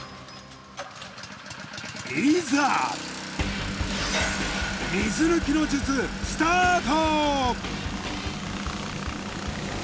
いざ水抜きの術スタート！